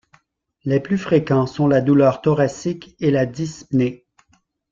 Les plus fréquents sont la douleur thoracique et la dyspnée.